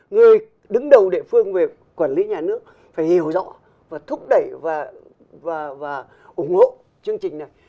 người đứng đầu địa phương về quản lý nhà nước phải hiểu rõ và thúc đẩy và ủng hộ chương trình này